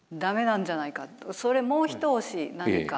それもう一押し何か。